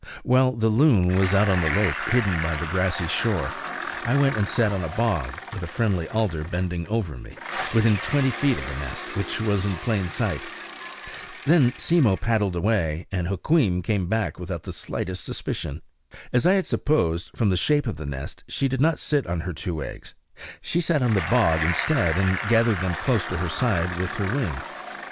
While the loon was out on the lake, hidden by the grassy shore, I went and sat on a bog, with a friendly alder bending over me, within twenty feet of the nest, which was in plain sight. Then Simmo paddled away, and Hukweem came back without the slightest suspicion. As I had supposed, from the shape of the nest, she did not sit on her two eggs; she sat on the bog instead, and gathered them close to her side with her wing.